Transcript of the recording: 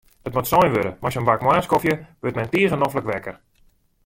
It moat sein wurde, mei sa'n bak moarnskofje wurdt men tige noflik wekker.